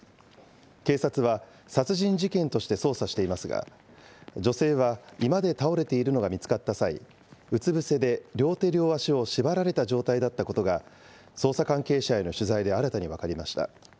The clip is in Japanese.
警察は、殺人事件として捜査していますが、女性は居間で倒れているのが見つかった際、うつ伏せで両手両足を縛られた状態だったことが、捜査関係者への取材で新たに分かりました。